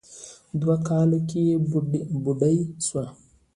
دوو کالو کې بوډۍ سوه.